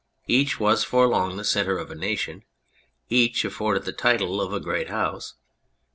Each was for long the centre of a nation, each afforded the title of a great house.